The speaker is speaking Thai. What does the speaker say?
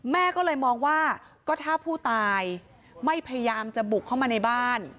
แม่ก็เลยมองว่าก็ถ้าผู้ตายไม่พยายามจะบุกเข้ามาในบ้าน